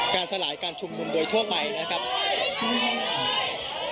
สลายการชุมนุมโดยทั่วไปนะครับ